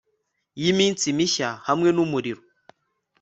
y'iminsi mishya hamwe n'umuriro